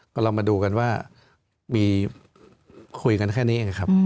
ก็เรามาดูกันว่ามีคุยกันแค่นี้